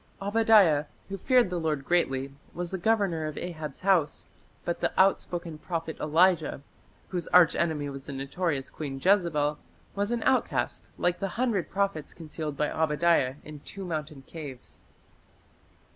" Obadiah, who "feared the Lord greatly", was the governor of Ahab's house, but the outspoken prophet Elijah, whose arch enemy was the notorious Queen Jezebel, was an outcast like the hundred prophets concealed by Obadiah in two mountain caves.